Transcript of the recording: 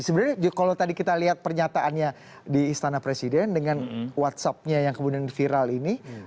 sebenarnya kalau tadi kita lihat pernyataannya di istana presiden dengan whatsappnya yang kemudian viral ini